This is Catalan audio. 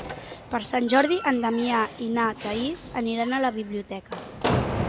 Per Sant Jordi en Damià i na Thaís aniran a la biblioteca.